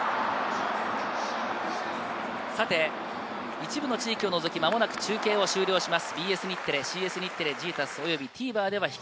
一部の地域を除き、間もなく中継を終了します。